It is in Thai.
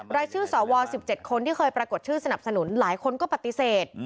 รายชื่อสว๑๗คนที่เคยปรากฏชื่อสนับสนุนหลายคนก็ปฏิเสธ